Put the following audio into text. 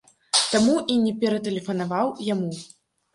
Таму і не ператэлефанаваў яму!